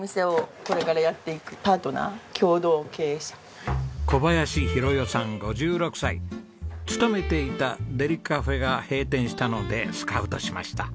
小林さん勤めていたデリカフェが閉店したのでスカウトしました。